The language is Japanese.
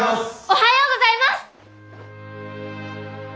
おはようございます！